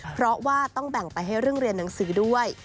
เพราะว่าต้องแบ่งไปให้เรื่องเรียนหนังสือด้วย